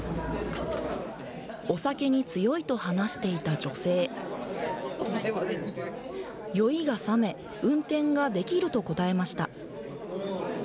お酒に強いと話していた女性酔いがさめ運転ができると答えました。